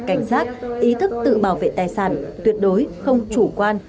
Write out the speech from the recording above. cảnh giác ý thức tự bảo vệ tài sản tuyệt đối không chủ quan